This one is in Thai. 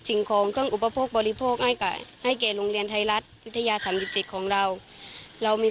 ช่องข่าวมุมฤนนิติไทยรัฐที่